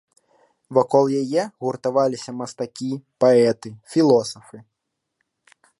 Вакол яе гуртаваліся мастакі, паэты, філосафы.